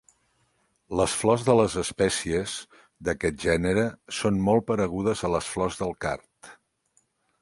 Les flors de les espècies d'aquest gènere són molt paregudes a les flors del card.